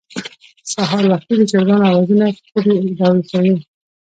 سهار وختي د چرګانو اوازونه کلى راويښوي.